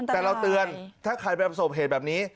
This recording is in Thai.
แต่เราเตือนถ้าใครไปประสบเหตุแบบนี้